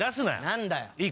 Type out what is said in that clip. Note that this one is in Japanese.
何だよ？